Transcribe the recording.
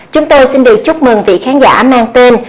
chúng tôi xin được chúc mừng vị khán giả mang tên